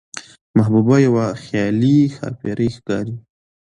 محبوبه يوه خيالي ښاپېرۍ ښکاري،